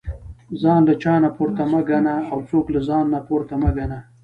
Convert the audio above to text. ځان له چانه پورته مه ګنه او څوک له ځانه پورته مه ګنه